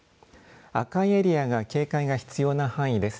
赤いエリアが警戒が必要な範囲です。